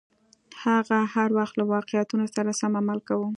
هغه هر وخت له واقعیتونو سره سم عمل کاوه.